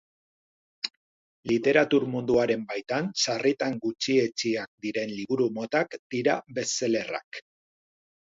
Literatur munduaren baitan sarritan gutxietsiak diren liburu motak dira best-seller-ak.